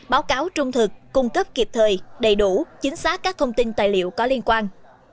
báo cáo trung thực cung cấp kịp thời đầy đủ chính xác các thông tin tài liệu có liên quan